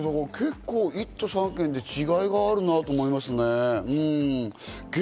結構、１都３県で違いがあるなと思いますね。